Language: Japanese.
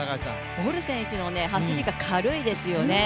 ボル選手の走りが軽いですよね。